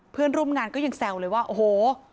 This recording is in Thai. เพื่อนร่วมงานก็ยังแซวเลยว่าโอ้โห